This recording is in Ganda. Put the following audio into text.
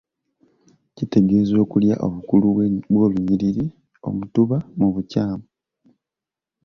Kitegeeza okulya obukulu bw’olunyiriri, omutuba mu bukyamu.